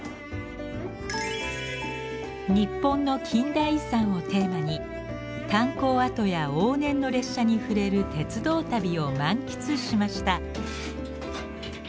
日本の近代遺産をテーマに炭鉱跡や往年の列車に触れる鉄道旅を満喫しました。